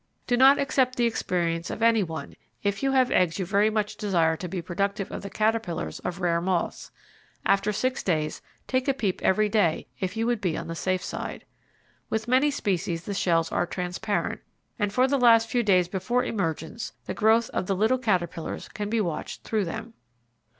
Do not accept the experience of any one if you have eggs you very much desire to be productive of the caterpillars of rare moths; after six days take a peep every day if you would be on the safe side. With many species the shells are transparent, and for the last few days before emergence the growth of the little caterpillars can be watched through them.